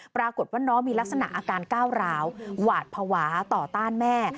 ปรากฏว่าน้องมีลักษณะอาการก้าวร้าวหวาดภาวะต่อต้านแม่